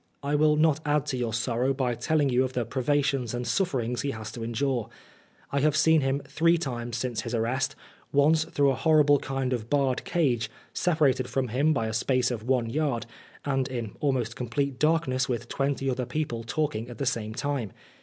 I will not add to your sorrow by telling you of the privations and sufferings he has to endure. I have seen him three times since his arrest, once through a horrible kind of barred cage, separated from him by a space of one yard, and in almost complete darkness, with twenty other people talking at the same time.